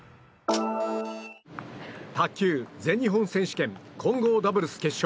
卓球全日本選手権混合ダブルス決勝。